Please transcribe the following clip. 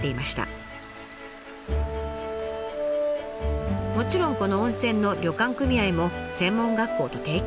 もちろんこの温泉の旅館組合も専門学校と提携しています。